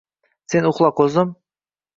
Sen uxla, ko’zim